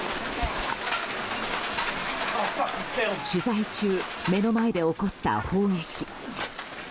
取材中目の前で起こった砲撃。